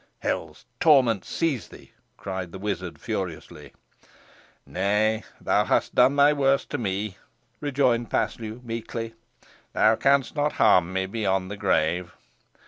"Hell's torments seize thee!" cried the wizard, furiously. "Nay, thou hast done thy worst to me," rejoined Paslew, meekly, "thou canst not harm me beyond the grave.